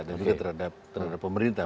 dan juga terhadap pemerintah